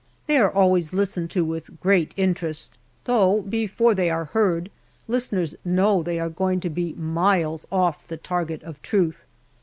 They are always listened to with great interest, though, before they are 116 GALLIPOLI DIARY heard, listeners know they are going to be miles off the target of truth.